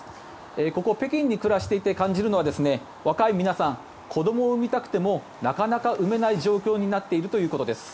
ここ北京に暮らしていて感じるのは若い皆さん子どもを産みたくてもなかなか産めない状況になっているということです。